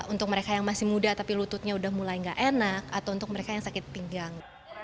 untuk mereka yang masih muda tapi lututnya udah mulai nggak enak atau untuk mereka yang sakit pinggang